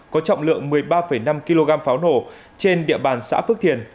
có trọng lượng một mươi ba năm kg pháo nổ trên địa bàn xã phước thiền